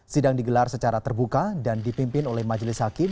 sidang digelar secara terbuka dan dipimpin oleh majelis hakim